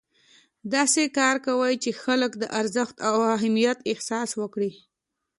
داسې کار کوئ چې خلک د ارزښت او اهمیت احساس وکړي.